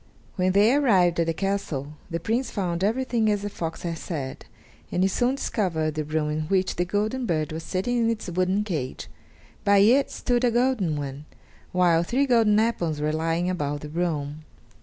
When they arrived at the castle, the Prince found everything as the fox had said, and he soon discovered the room in which the golden bird was sitting in its wooden cage; by it stood a golden one; while three golden apples were lying about the room.